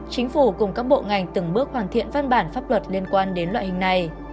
chính phủ cùng các bộ ngành từng bước hoàn thiện văn bản pháp luật liên quan đến loại hình này